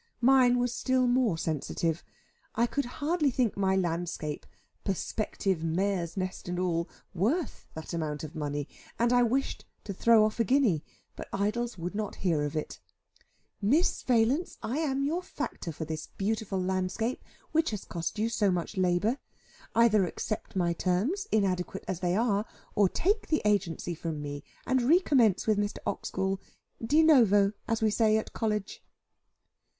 Mine was still more sensitive. I could hardly think my landscape, perspective mare's nest and all, worth that amount of money, and I wished to throw off a guinea, but Idols would not hear of it. "Miss Valence, I am your factor for this beautiful landscape, which has cost you so much labour. Either accept my terms, inadequate as they are, or take the agency from me, and recommence with Mr. Oxgall 'de novo,' as we say at College."